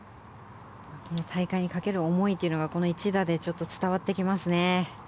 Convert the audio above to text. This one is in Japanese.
この大会にかける思いがこの一打で伝わってきますね。